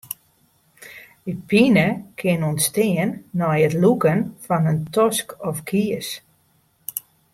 Dy pine kin ûntstean nei it lûken fan in tosk of kies.